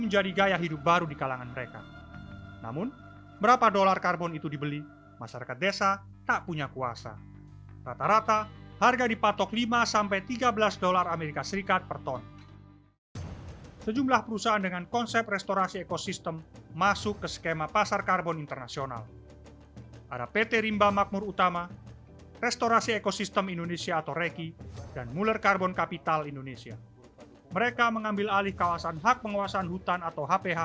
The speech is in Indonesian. jadi nggak perlu keluar duit lah